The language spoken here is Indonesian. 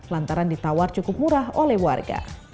lantaran ditawar cukup murah oleh warga